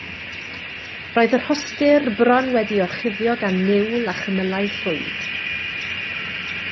Roedd y rhostir bron wedi'i orchuddio gan niwl a chymylau llwyd.